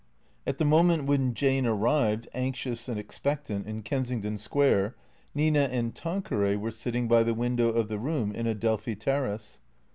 At the moment when Jane arrived, anxious and expectant, in Kensington Square, Nina and Tanqueray were sitting by the window of the room in Adelphi Terrace.